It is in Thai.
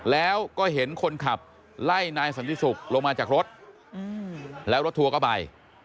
แล้วก็เห็นคนขับไล่นายสันติศุกร์ลงมาจากรถแล้วรถทัวร์ก็ไป